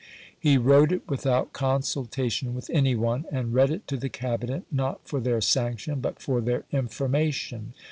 He wrote it without consultation with any one, and read it to the Cabinet, not for their sanction, but for their information.